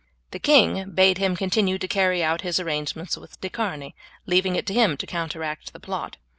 The king bade him continue to carry out his arrangements with De Charny, leaving it to him to counteract the plot.